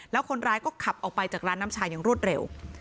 แล้วคนร้ายก็ขับออกไปจากร้านน้ำชาอย่างรวดเร็ว